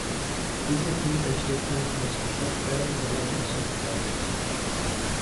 Diese Fehlentwicklung muss gestoppt werden, solange es noch Zeit ist.